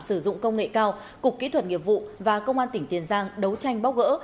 sử dụng công nghệ cao cục kỹ thuật nghiệp vụ và công an tỉnh tiền giang đấu tranh bóc gỡ